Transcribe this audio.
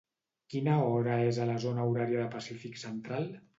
Quina hora és a la zona horària de Pacífic Central?